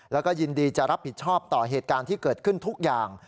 แล้วก็ยินดีจะรับผิดชอบต่อเหตุการณ์ที่เกิดขึ้นทุกอย่าง